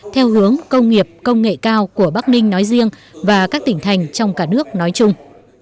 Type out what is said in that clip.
theo hướng công nghiệp công nghệ cao của bắc ninh nói riêng và các tỉnh thành trong cả nước nói chung